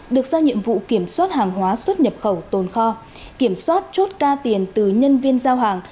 được giao nhiệm vụ kiểm soát hàng hóa xuất nhập khẩu tồn kho kiểm soát chốt ca tiền từ nhân viên giao hàng